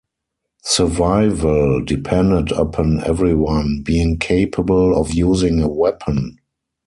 Survival depended upon everyone being capable of using a weapon.